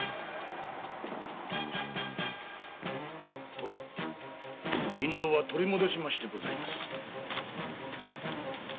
・殿印ろうは取り戻しましてございます。